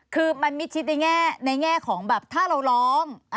คือมันมิดชิดในแง่ของแบบถ้าเราร้อง